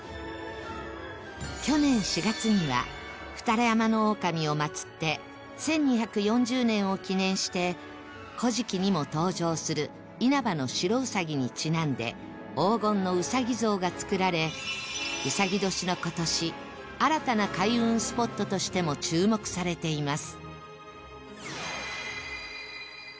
去年４月には二荒山大神を祭って１２４０年を記念して『古事記』にも登場する因幡の白うさぎにちなんで黄金のうさぎ像が作られ卯年の今年新たな開運スポットとしても注目されています